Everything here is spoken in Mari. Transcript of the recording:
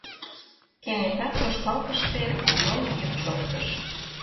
Кенета тошкалтыште йол йӱк шоктыш.